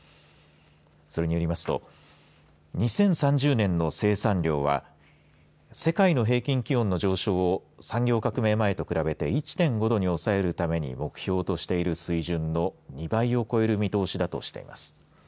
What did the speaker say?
それによりますと２０３０年の生産量は世界の平均気温の上昇を産業革命前と比べて１．５度に抑えるための目標としている水準の２倍を超える見通しだとしています。